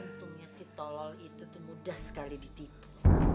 untungnya si tolol itu tuh mudah sekali ditipu